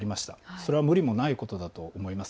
それは無理もないことだと思います。